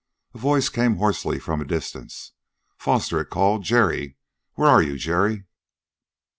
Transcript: A voice came hoarsely from a distance. "Foster," it called. "Jerry where are you, Jerry?"